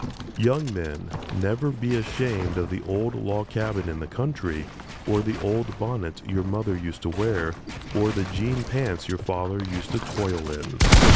Young men, never be ashamed of the old log cabin in the country, or the old bonnet your mother used to wear, or the jean pants your father used to toil in.